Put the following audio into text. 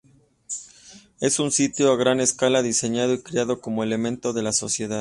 Es un sitio a gran escala, diseñado y creado como elemento de la sociedad.